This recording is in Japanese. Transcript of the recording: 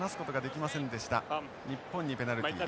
日本にペナルティ。